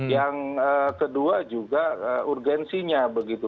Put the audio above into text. yang kedua juga urgensinya begitu